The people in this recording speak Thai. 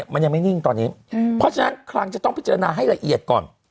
มันยังไม่นิ่งตอนนี้เพราะฉะนั้นคลังจะต้องพิจารณาให้ละเอียดก่อน